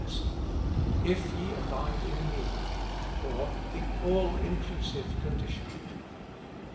ESSON. «*If ye abide in me;" or, The Ali=inclusive Condition.